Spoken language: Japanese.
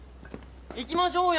行きましょうよ